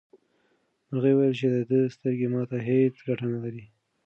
مرغۍ وویل چې د ده سترګه ماته هیڅ ګټه نه لري.